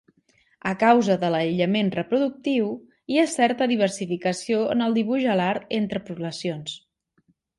A causa de l'aïllament reproductiu, hi ha certa diversificació en el dibuix alar entre poblacions.